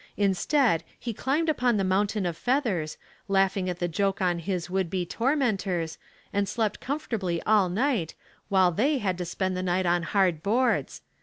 Instead, he climbed upon the mountain of feathers, laughing at the joke on his would be tormentors and slept comfortably all night while they had to spend the night on hard boards.